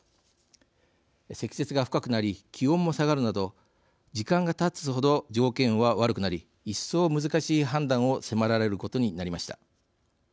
積雪が深くなり気温も下がるなど時間がたつほど条件は悪くなり一層難しい判断を迫られることになりました。